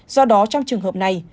do đó trong trường hợp này